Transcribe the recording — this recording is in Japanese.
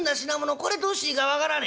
これどうしていいか分からねえ」。